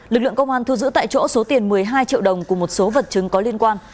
lực lượng công an thu giữ tại chỗ số tiền một mươi hai triệu đồng cùng một số vật chứng có liên quan